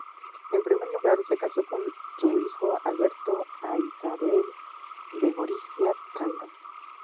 En primer lugar, se casó con su hijo Alberto a Isabel de Gorizia-Tirol.